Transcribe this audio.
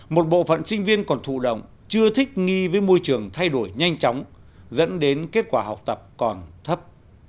một bộ phận sinh viên còn thụ động chưa thích nghi với môi trường thay đổi nhanh chóng dẫn đến kết quả học tập còn thấp